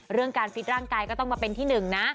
เรื่องการตรวจบรรยายก็ต้องมาเป็นที่นึงนะ